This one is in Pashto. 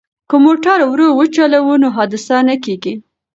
که موټر ورو وچلوو نو حادثه نه کیږي.